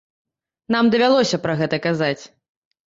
Нам давялося пра гэта казаць.